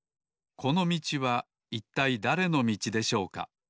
このみちはいったいだれのみちでしょうか？